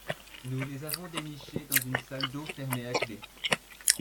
Nous les avons dénichées dans une salle d’eau fermée à clef.